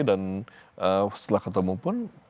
dan setelah ketemu pun